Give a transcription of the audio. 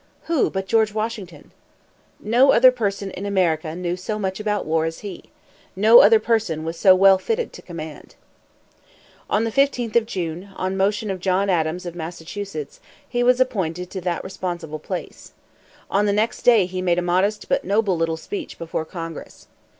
Who, but George Washington? No other person in America knew so much about war as he. No other person was so well fitted to command. On the 15th of June, on motion of John Adams of Massachusetts, he was appointed to that responsible place. On the next day he made a modest but noble little speech before Congress.